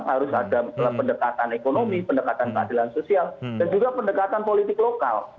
harus ada pendekatan ekonomi pendekatan keadilan sosial dan juga pendekatan politik lokal